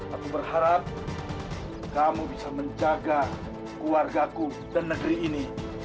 aku berharap kamu bisa menjaga keluargaku dan negeri ini